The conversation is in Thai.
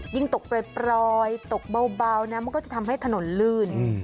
ยิ่งตกเปรียบร้อยตกเบาน้ำก็จะทำให้ถนนลื่น